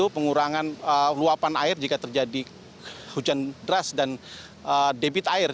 pengurangan luapan air jika terjadi hujan deras dan debit air